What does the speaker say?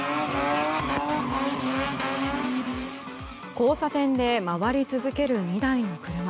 交差点で回り続ける２台の車。